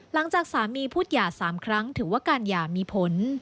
หลังจากสามีพูดหย่า๓ครั้งถือว่าการหย่ามีผล